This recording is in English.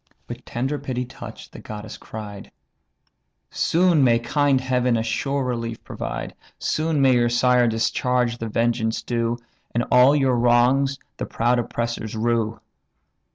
With tender pity touch'd, the goddess cried: "Soon may kind Heaven a sure relief provide, Soon may your sire discharge the vengeance due, And all your wrongs the proud oppressors rue!